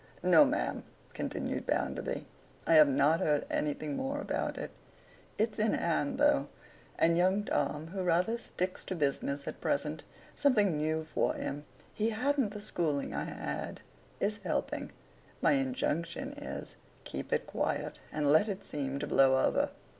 'No, ma'am,' continued Bounderby, 'I have not heard anything more about it. It's in hand, though; and young Tom, who rather sticks to business at present—something new for him; he hadn't the schooling I had—is helping. My injunction is, Keep it quiet, and let it seem to blow over.